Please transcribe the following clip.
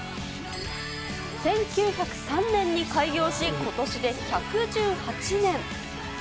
１９０３年に開業し、ことしで１１８年。